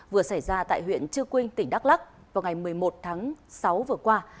vừa xảy ra tại huyện chư quynh tỉnh đắk lắc vào ngày một mươi một tháng sáu vừa qua